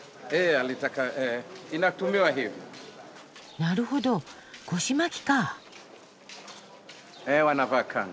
なるほど腰巻きか。